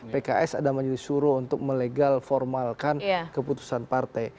pks ada menjadi suruh untuk melegal formalkan keputusan partai